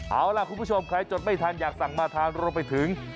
เอาล่ะคุณผู้ชมใครจดไม่ทันอยากสั่งมาทานรวมไปถึง